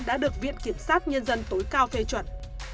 đã được viện kiểm sát nhân dân tối cao phê chuẩn